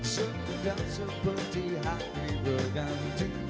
sudah seperti hari berganti